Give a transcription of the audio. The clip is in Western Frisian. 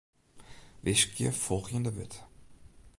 Wiskje folgjende wurd.